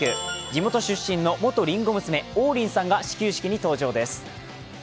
地元出身の元りんご娘、王林さんが始球式に登場です。